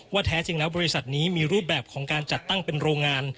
แท้จริงแล้วบริษัทนี้มีรูปแบบของการจัดตั้งเป็นโรงงาน